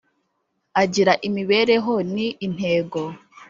agira imibereho ni intego